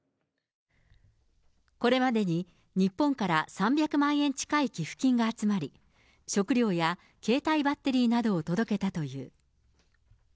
これまでに日本から３００万円近い寄付金が集まり、食料や携帯バッテリーなどを届けたという。